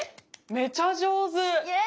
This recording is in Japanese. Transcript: めちゃ上手。